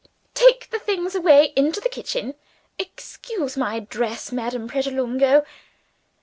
take the things away into the kitchen. Excuse my dress, Madame Pratolungo.